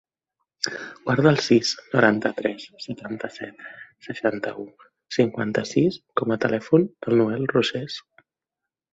Guarda el sis, noranta-tres, setanta-set, seixanta-u, cinquanta-sis com a telèfon del Noel Roces.